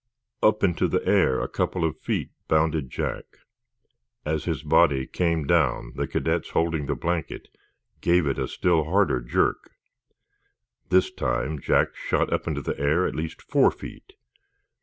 Up into the air a couple of feet bounded Jack. As his body came down the cadets holding the blanket gave it a still harder jerk. This time Jack shot up into the air at least four feet.